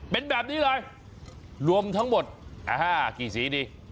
เป็นแบบนี้เลยรวมทั้งหมดกี่สีดี